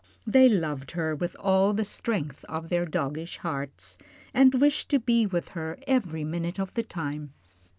They loved her with all the strength of their doggish hearts, and wished to be with her every minute of the time.